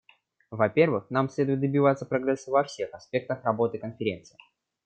Во-первых, нам следует добиваться прогресса во всех аспектах работы Конференции.